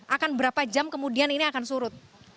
akan berapa jam kemudian ini akan surut